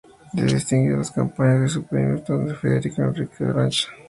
Se distinguió en las campañas de su primo el estatúder Federico Enrique de Orange-Nassau.